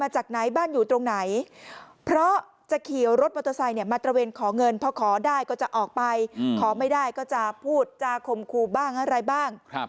จะขี่รถมอเตอร์ไซค์มาตระเวนขอเงินเพราะขอได้ก็จะออกไปขอไม่ได้ก็จะพูดจาคมครูบ้างอะไรบ้าง